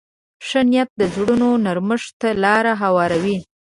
ښه نیت د زړونو نرمښت ته لار هواروي.